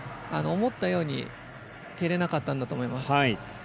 思ったように蹴れなかったんだと思います。